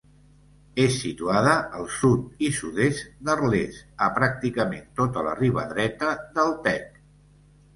És situada al sud i sud-est d'Arles, a pràcticament tota la riba dreta del Tec.